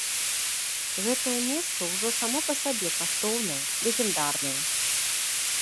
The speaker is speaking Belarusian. Гэтае месца ўжо само па сабе каштоўнае, легендарнае.